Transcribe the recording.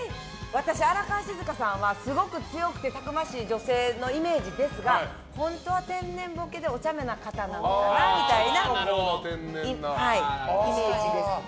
私、荒川静香さんはすごく強くてたくましい女性のイメージですが本当は天然ボケでおちゃめな方なのかなみたいなイメージです。